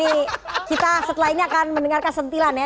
oke kita setelah ini akan mendengarkan sentilan ya